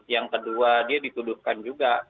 yang kedua dia dituduhkan juga